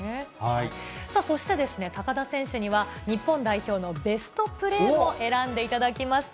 そして、高田選手には日本代表のベストプレーも選んでいただきました。